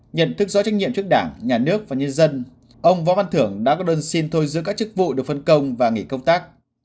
nhận thức rõ trách nhiệm trước đảng nhà nước và nhân dân ông võ văn thưởng đã có đơn xin thôi giữ các chức vụ được phân công và nghỉ công tác